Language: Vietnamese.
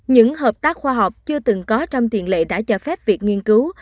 những hợp tác khoa học chưa từng có trong tiền lệ đã cho phép việc nghiên cứu